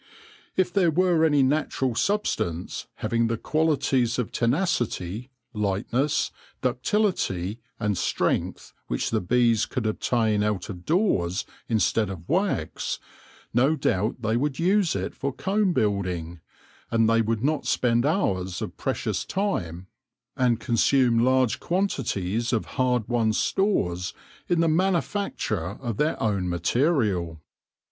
If there were any natural substance having the qualities of tenacity, lightness, ductility, and strength which the bees could obtain out of doors instead of wax, no doubt they would use it for comb building, and they would not spend hours of precious time and consume large quantities , THE COMB BUILDERS 141 of hard won stores in the manufacture of their own material.